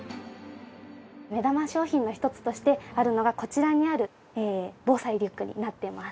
目玉商品の一つとしてあるのがこちらにある防災リュックになってます。